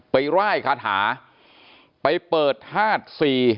ไปไล่คาถาไปเปิดฆาตศรี